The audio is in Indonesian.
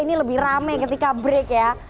ini lebih rame ketika break ya